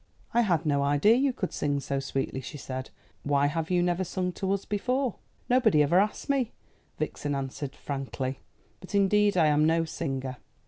"I had no idea you could sing so sweetly," she said. "Why have you never sung to us before?" "Nobody ever asked me," Vixen answered frankly. "But indeed I am no singer."